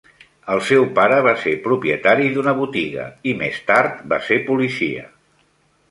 El seu pare va ser propietari d'una botiga i més tard, va ser policia.